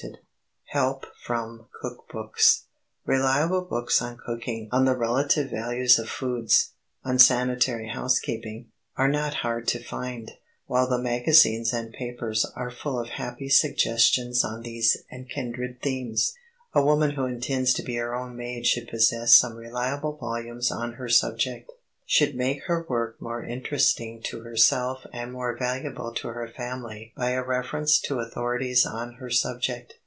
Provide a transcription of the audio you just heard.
[Sidenote: HELP FROM COOK BOOKS] Reliable books on cooking, on the relative values of foods, on sanitary housekeeping, are not hard to find, while the magazines and papers are full of happy suggestions on these and kindred themes. A woman who intends to be her own maid should possess some reliable volumes on her subject, should make her work more interesting to herself and more valuable to her family by a reference to authorities on her subject.